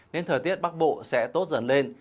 nên thời tiết bắc bộ sẽ tốt dần lên